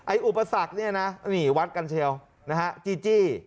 อุปสรรคเนี่ยนะนี่วัดกันเชียวนะฮะจีจี้